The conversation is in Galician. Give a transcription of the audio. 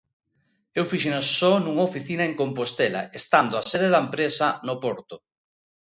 Eu fíxenas só nunha oficina en Compostela, estando a sede da empresa no Porto.